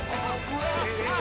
えっ！